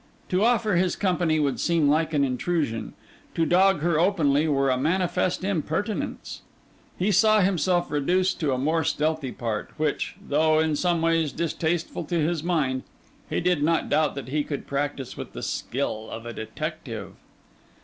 To offer his company would seem like an intrusion; to dog her openly were a manifest impertinence; he saw himself reduced to a more stealthy part, which, though in some ways distasteful to his mind, he did not doubt that he could practise with the skill of a detective.